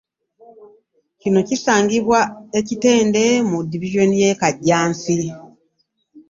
Kino kisangibwa e Kitende mu division y'e Kajjansi